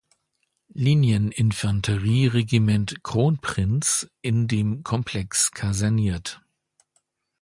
Linien-Infanterie-Regiment „Kronprinz“ in dem Komplex kaserniert.